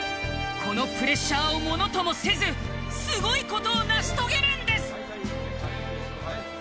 このプレッシャーをものともせずすごい事を成し遂げるんです！